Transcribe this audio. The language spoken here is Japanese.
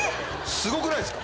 すごくないっすか？